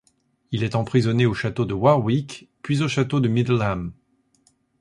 Il est emprisonné au château de Warwick, puis au château de Middleham.